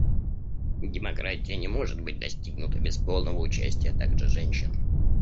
Демократия не может быть достигнута без полного участия также женщин.